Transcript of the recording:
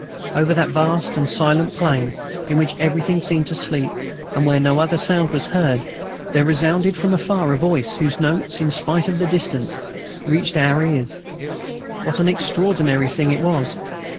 Over that vast and silent plain, in which everything seemed to sleep and where no other sound was heard, there resounded from afar a voice whose notes, in spite of the distance, reached our ears. What an extraordinary thing it was!